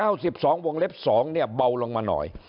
๑๒วงเล็บ๒เนี่ยเบาลงมาหน่อย